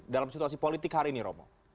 dalam situasi politik hari ini romo